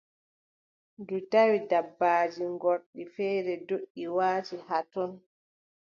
Ndu tawi dabaaji ngorɗi feere ndoʼi, waati haa ton.